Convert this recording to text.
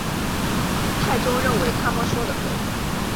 太宗认为他们说得对。